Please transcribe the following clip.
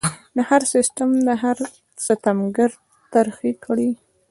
د هر ستم هر ستمګر ترخې کړي